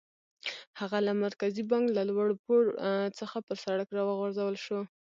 هغه له مرکزي بانک له لوړ پوړ څخه پر سړک را وغورځول شو.